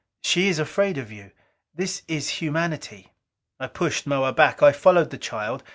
"She is afraid of you. This is humanity." I pushed Moa back. I followed the child.